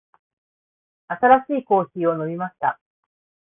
美味しいコーヒーを飲みました。